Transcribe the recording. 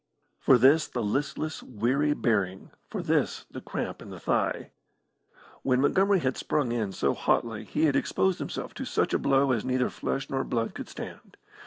For this the listless, weary bearing, for this the cramp in the thigh. When Montgomery had sprung in so hotly he had exposed himself to such a blow as neither flesh nor blood could stand.